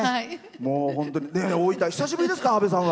大分、久しぶりですか、阿部さん。